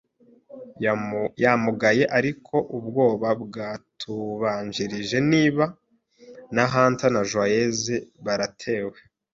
yamugaye ariko ubwoba bwatubanjirije niba, niba Hunter na Joyce baratewe